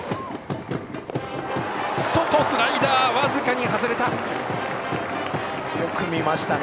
外、スライダー、僅かに外れた。